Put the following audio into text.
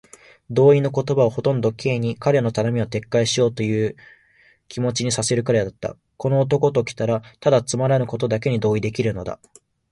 同意の言葉はほとんど Ｋ に、彼の頼みを撤回しようというという気持にさせるくらいだった。この男ときたら、ただつまらぬことにだけ同意できるのだ。